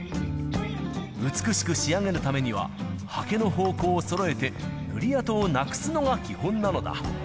美しく仕上げるためには、刷毛の方向をそろえて塗り跡をなくすのが基本なのだ。